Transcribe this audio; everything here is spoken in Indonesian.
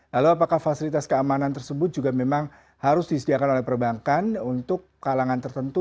lalu apakah fasilitas keamanan tersebut juga memang harus disediakan oleh perbankan untuk kalangan tertentu